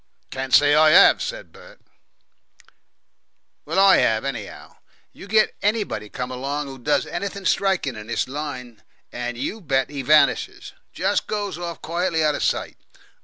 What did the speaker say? "Can't say I 'ave," said Bert. "Well, I 'ave, anyhow. You get anybody come along who does anything striking in this line, and, you bet, he vanishes. Just goes off quietly out of sight.